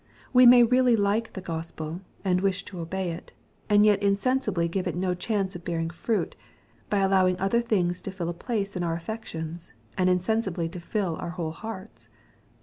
We may really like the Gospel, and wish to obey it, and yet inswisibly give it no chance of bearing fruit, by allowing other things to fill a place in our affections, and in Bensibly to fill our whole hearts.